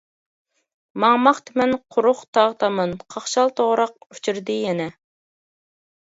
ماڭماقتىمەن قۇرۇق تاغ تامان، قاقشال توغراق ئۇچرىدى يەنە.